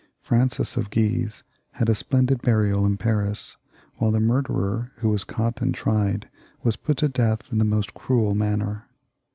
Francis of Guise had a splendid burial in Paris, while the murderer, who was caught and tried, was put to death in the most cruel manner.